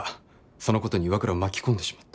そのことに岩倉を巻き込んでしまった。